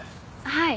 はい。